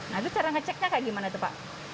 nah itu cara ngeceknya kayak gimana tuh pak